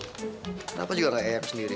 kenapa juga orang yang sendiri